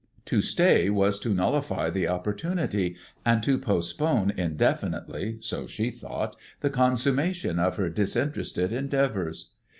To stay was to nullify the opportunity, and to postpone indefinitely (so she thought) the consummation of her disinterested endeavours.